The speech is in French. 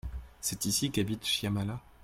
C'est ici qu'habite Shyamala ?